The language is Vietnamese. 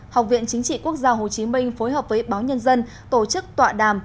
học viện chính trị quốc gia hồ chí minh phối hợp với báo nhân dân tổ chức tọa đàm